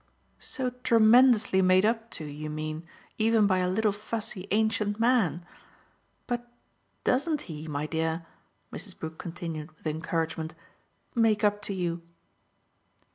"So tremendously made up to, you mean even by a little fussy ancient man? But DOESN'T he, my dear," Mrs. Brook continued with encouragement, "make up to you?"